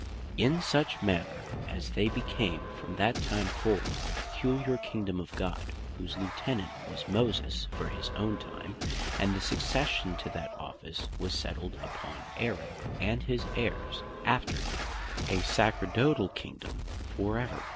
in such manner, as they became from that time forward the Peculiar Kingdome of God; whose Lieutenant was Moses, for his owne time; and the succession to that office was setled upon Aaron, and his heirs after him, to bee to God a Sacerdotall Kingdome for ever.